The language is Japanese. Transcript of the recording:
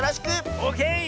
オッケー！